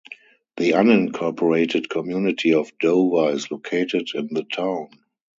The unincorporated community of Dover is located in the town.